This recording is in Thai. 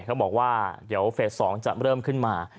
เขาบอกว่าเดี๋ยวเฟส๒จะเริ่มขึ้นมา